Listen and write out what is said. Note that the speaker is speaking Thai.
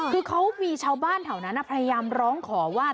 คือเขามีชาวบ้านแถวนั้นพยายามร้องขอว่า